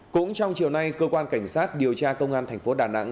cũng trong chiều nay cơ quan cảnh sát điều tra công an thành phố đà nẵng